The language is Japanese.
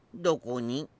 どこに？